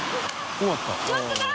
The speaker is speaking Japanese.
終わった。